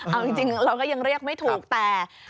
เอาจริงเราก็ยังเรียกไม่ถูกแต่